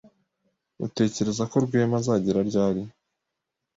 Utekereza ko Rwema azagera ryari?